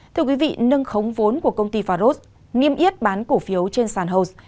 thưa quý vị nâng khống vốn của công ty faros niêm yết bán cổ phiếu trên sàn hones